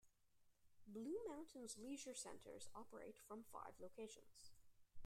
Blue Mountains Leisure Centres operate from five locations.